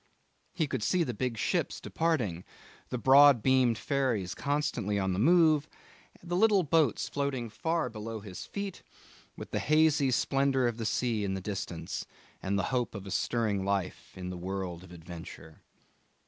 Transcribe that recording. He could see the big ships departing, the broad beamed ferries constantly on the move, the little boats floating far below his feet, with the hazy splendour of the sea in the distance, and the hope of a stirring life in the world of adventure.